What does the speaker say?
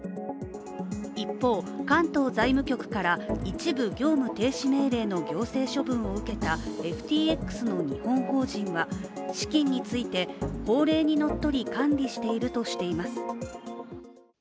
一方、関東財務局から一部業務停止命令の行政処分を受けたＦＴＸの日本法人は資金について法令にのっとり管理しているとしています。